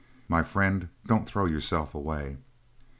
My friend, don't throw yourself away."